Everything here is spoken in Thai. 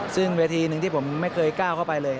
ซึ่งเวทีหนึ่งที่ผมไม่เคยก้าวเข้าไปเลย